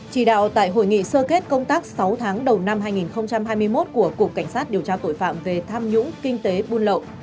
chỉ đạo tại hội nghị sơ kết công tác sáu tháng đầu năm hai nghìn hai mươi một của cục cảnh sát điều tra tội phạm về tham nhũng kinh tế buôn lậu